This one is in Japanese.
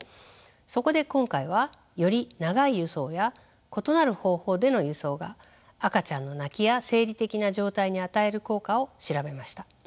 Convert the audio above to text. そこで今回はより長い輸送や異なる方法での輸送が赤ちゃんの泣きや生理的な状態に与える効果を調べました。